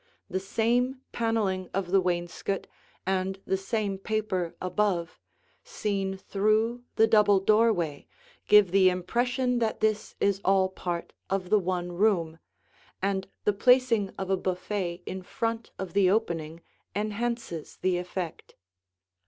The same paneling of the wainscot and the same paper above, seen through the double doorway, give the impression that this is all part of the one room, and the placing of a buffet in front of the opening enhances the effect.